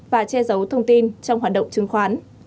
và che giấu thông tin trong hoạt động chứng khoán